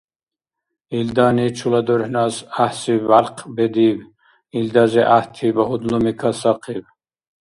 Илдани чула дурхӀнас гӀяхӀси бяркъ бедиб, илдази гӀяхӀти багьудлуми касахъиб.